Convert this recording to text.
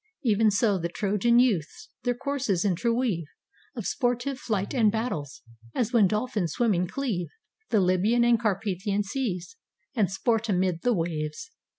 Even so the Trojan youths Their courses interweave, of sportive flight And battles; as when dolphins swimming cleave The Libyan and Carpathian seas, and sport Amid the waves.